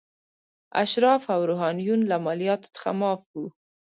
اشراف او روحانیون له مالیاتو څخه معاف وو.